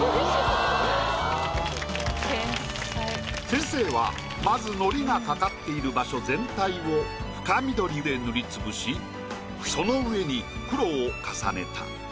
先生はまず海苔が掛かっている場所全体を深緑で塗り潰しその上に黒を重ねた。